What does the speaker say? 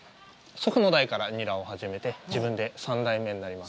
祖父の代からニラを始めて、自分で３代目になります。